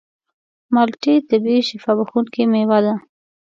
مالټې طبیعي شفا بښونکې مېوه ده.